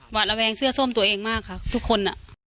ระแวงเสื้อส้มตัวเองมากค่ะทุกคนอ่ะ